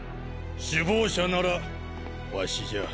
⁉首謀者ならワシじゃ。